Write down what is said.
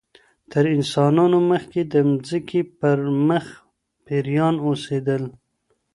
تر انسانانو مخکي د مځکي پر مخ پيريان اوسېدل